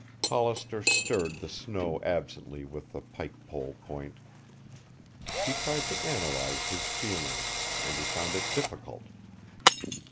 Hollister stirred the snow absently with the pike pole point. He tried to analyze his feelings, and he found it difficult.